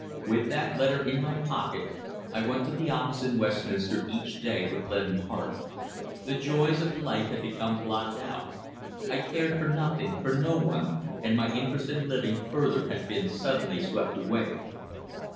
With that letter in my pocket I went to the office in Westminster each day with leaden heart. The joys of life had become blotted out. I cared for nothing, for no one, and my interest in living further had been suddenly swept away.